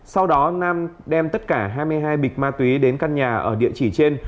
sau đó nam đem tất cả hai mươi hai bịch ma túy đến căn nhà ở địa chỉ trên